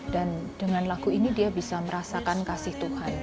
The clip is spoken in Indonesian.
dan dengan lagu ini dia bisa merasakan kasih tuhan